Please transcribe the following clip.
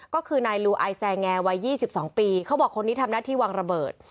ก็คือนายลูไอแซงแอร์วัย๒๒ปีเขาบอกคนนี้ทำหน้าที่วางระเบิด